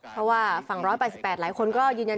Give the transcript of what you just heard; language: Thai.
เพราะว่าฝั่ง๑๘๘หลายคนก็ยืนยัน